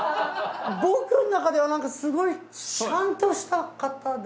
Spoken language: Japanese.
僕の中ではなんかすごいシャンとした方で。